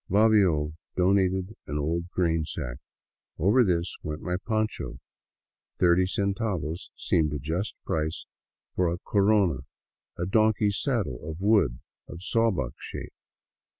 Bobbio donated an old grain sack. Over this went my poncho. Thirty centavos seemed a just price for a corona, a donkey " saddle " of wood of saw buck shape.